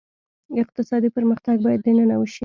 اقتصادي پرمختګ باید دننه وشي.